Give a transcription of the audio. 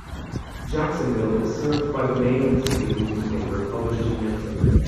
Jacksonville is served by the "Mail Tribune" newspaper, published in Medford.